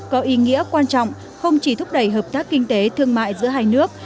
có ý nghĩa quan trọng không chỉ thúc đẩy hợp tác kinh tế thương mại giữa hai nước